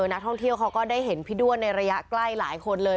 นักท่องเที่ยวเขาก็ได้เห็นพี่ด้วนในระยะใกล้หลายคนเลย